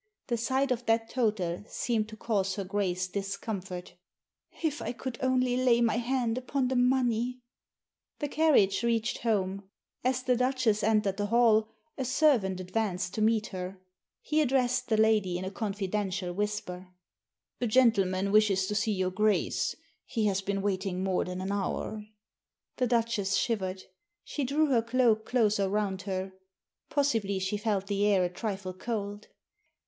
The sight of that total seemed to cause her Grace discomfort. "If I could only lay my hand upon the money I " The carriage reached home. As the Duchess entered the hall a servant advanced to meet her. He addressed the lady in a confidential whisper. Digitized by VjOOQIC THE DIAMONDS 213 " A gentleman wishes to see your Grace. He has been waiting more than an hour." The Duchess shivered. She drew her cloak closer round her. Possibly she felt the air a trifle cold.